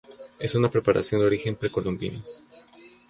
Es una preparación de origen precolombino.